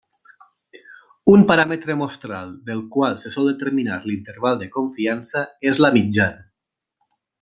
Un paràmetre mostral del qual se sol determinar l'interval de confiança és la mitjana.